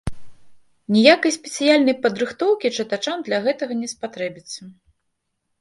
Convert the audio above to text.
Ніякай спецыяльнай падрыхтоўкі чытачам для гэтага не спатрэбіцца.